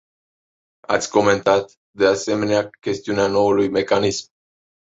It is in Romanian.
Ați comentat, de asemenea, chestiunea noului mecanism.